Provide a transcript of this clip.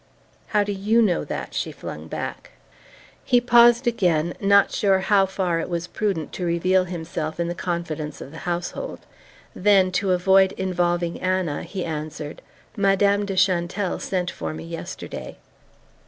"How do YOU know that?" she flung back. He paused again, not sure how far it was prudent to reveal himself in the confidence of the household. Then, to avoid involving Anna, he answered: "Madame de Chantelle sent for me yesterday."